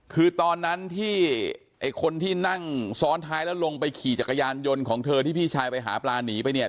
คือตอนนั้นที่ไอ้คนที่นั่งซ้อนท้ายแล้วลงไปขี่จักรยานยนต์ของเธอที่พี่ชายไปหาปลาหนีไปเนี่ย